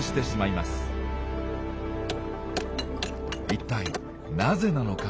一体なぜなのか？